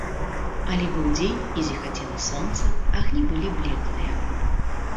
Але быў дзень, і зіхацела сонца, агні былі блеклыя.